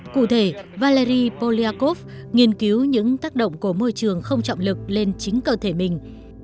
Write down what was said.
cụ thể valeri polyakov nghiên cứu những tác động của môi trường không trọng lực lên chính cơ thể mình